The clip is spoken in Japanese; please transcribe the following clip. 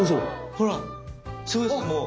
ほらすごいですもう。